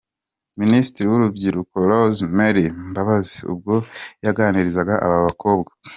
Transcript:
Minisitiri w'urubyiruko Rose Mary Mbabazi ubwo yaganirizaga aba bakobwa.